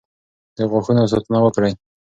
د غاښونو ساتنه وکړئ.